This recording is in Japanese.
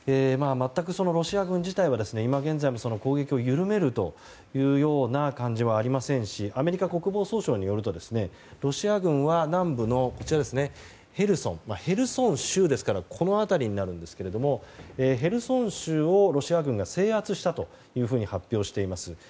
全くロシア軍自体は今も攻撃を緩めるというような感じはありませんしアメリカ国防総省によるとロシア軍は南部のヘルソン州ですからこの辺りになるんですがヘルソン州をロシア軍が制圧したというふうに発表しています。